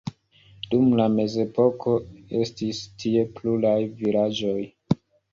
Dum la mezepoko estis tie pluraj vilaĝoj.